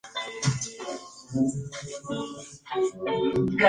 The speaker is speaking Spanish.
Finalizada la guerra se instaló en California donde comenzó a fotografiar celebridades.